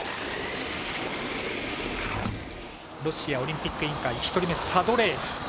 ロシアオリンピック委員会１人目サドレーエフ。